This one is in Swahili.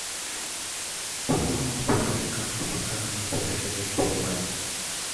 Kuzama kunaweza kutokana na kuendesha gari kwenye maji.